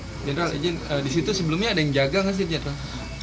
general di situ sebelumnya ada yang menjaga kan